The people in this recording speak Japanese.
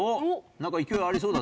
なんか勢いありそうだぞ。